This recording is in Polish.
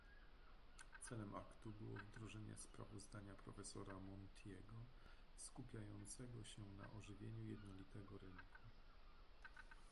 Celem Aktu było wdrożenie sprawozdania profesora Montiego skupiającego się na ożywieniu jednolitego rynku